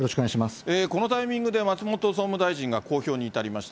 このタイミングで松本総務大臣が公表に至りました。